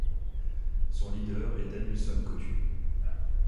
Son leader est Danilson Cotú.